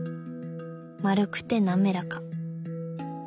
丸くて滑らか。